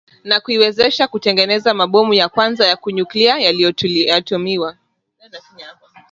na kuiwezesha kutengeneza mabomu ya kwanza ya nyuklia yaliyotumiwa